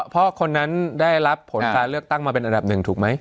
เพราะคนนั้นได้รับผลการเลือกตั้งมาเป็นอันดับหนึ่งถูกไหม